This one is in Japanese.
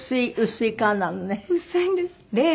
薄いんです